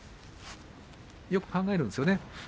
よく考えるんですよね